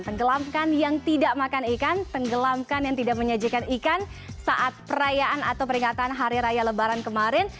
tenggelamkan yang tidak makan ikan tenggelamkan yang tidak menyajikan ikan saat perayaan atau peringatan hari raya lebaran kemarin